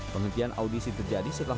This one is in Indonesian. penghentian audisi terjadi setelah